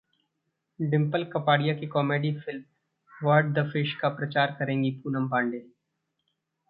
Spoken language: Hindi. डिंपल कपाड़िया की comedy film what the fish का प्रचार करेंगी पूनम पांडे